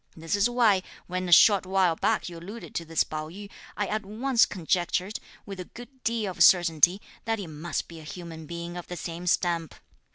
This is why, when a short while back you alluded to this Pao yü, I at once conjectured, with a good deal of certainty, that he must be a human being of the same stamp.